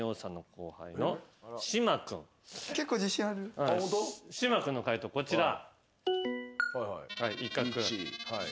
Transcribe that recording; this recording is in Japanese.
島君の解答こちら。